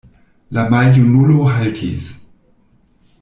La maljunulo haltis.